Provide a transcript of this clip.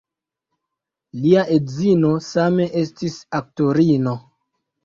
Lia edzino same estis aktorino.